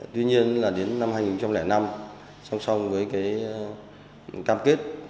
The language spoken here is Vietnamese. tuy nhiên là đến năm hai nghìn năm song song với cái cam kết